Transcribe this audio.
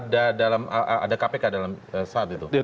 jadi hak angketnya itu ada dalam kpk saat itu